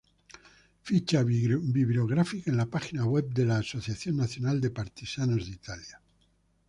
Ficha biográfica en la página web de la Asociación Nacional de Partisanos de Italia